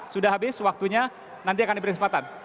sudah habis waktunya nanti akan diberi kesempatan